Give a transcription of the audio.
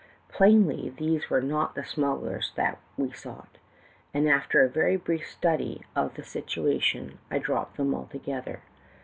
Plainly" these were not the smugglers that we sought; and after a very brief stud}" of the situation, I dropped them altogether.